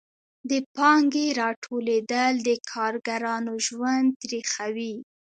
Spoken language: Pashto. د پانګې راټولېدل د کارګرانو ژوند تریخوي